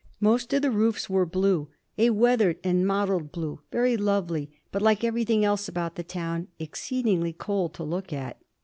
Most of the roofs were blue, a weathered and mottled blue, very lovely, but, like everything else about the town, exceedingly cold to look at.